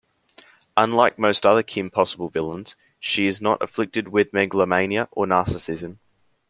Unlike most other "Kim Possible" villains, she is not afflicted with megalomania or narcissism.